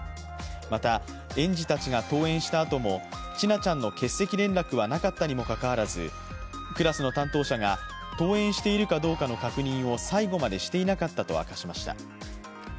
また、園児たちが登園したあとも千奈ちゃんの欠席連絡はなかったにもかかわらずクラスの担当者が、登園しているかどうかの確認を最後までしていなかったと明かしました。